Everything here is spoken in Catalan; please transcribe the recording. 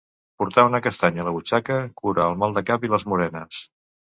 Portar una castanya a la butxaca, cura el mal de cap i les morenes.